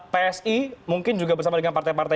psi mungkin juga bersama dengan partai partai